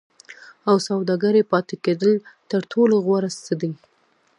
او سوداګرۍ پاتې کېدل تر ټولو غوره څه دي.